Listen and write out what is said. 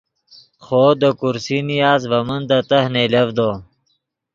خوو دے کرسی نیاست ڤے من دے تہہ نئیلڤدو